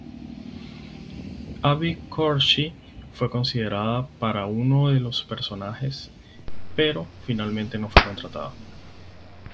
Abbie Cornish fue considerada para uno de los personajes, pero finalmente no fue contratada.